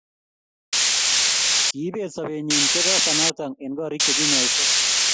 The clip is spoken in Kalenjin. kibeet sobetnyi chepsoyanoto eng korik che kinyaishe